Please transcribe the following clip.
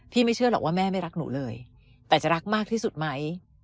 ไม่เชื่อหรอกว่าแม่ไม่รักหนูเลยแต่จะรักมากที่สุดไหม